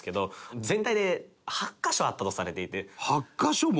８カ所も！？